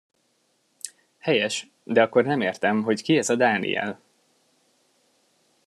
Helyes, de akkor nem értem, hogy ki ez a Dániel?